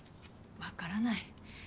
分からない。